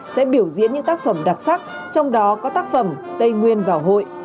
sẽ biểu diễn những tác phẩm đặc sắc trong đó có tác phẩm tây nguyên vào hội